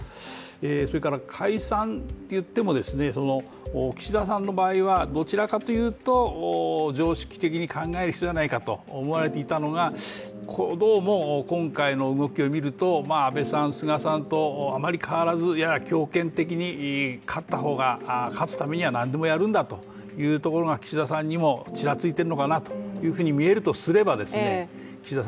それから解散といっても岸田さんの場合はどちらかというと、常識的に考える人じゃないかと思われていたのがどうも今回の動きをみると安倍さん、菅さんとあまり変わらずやや強権的に勝った方が勝つためには何でもやるんだというところがここからは「ｎｅｗｓｔｏｒｉｅｓ」です。